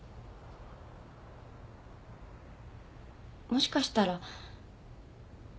もしかしたら。